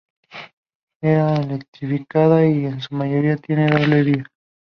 Está electrificada y en su mayoría tiene doble vía.